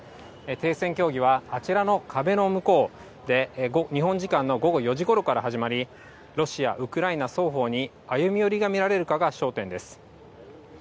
停戦協議はあちらの壁の向こうで、日本時間の午後４時ごろから始まり、ロシア・ウクライナ双方に歩み寄りが見られるかが焦点です。